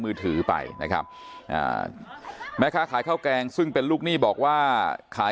มือถือไปนะครับอ่าแม่ค้าขายข้าวแกงซึ่งเป็นลูกหนี้บอกว่าขาย